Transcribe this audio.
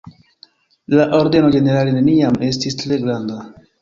La ordeno ĝenerale neniam estis tre granda.